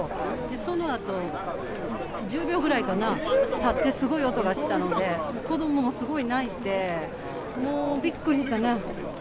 そのあと１０秒ぐらいかな、たってすごい音がしたので子どももすごい泣いてびっくりしたな。